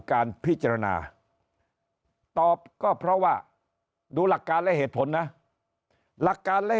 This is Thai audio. การพิจารณาตอบก็เพราะว่าดูหลักการและเหตุผลนะหลักการและ